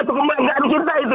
itu kebanggaan kita itu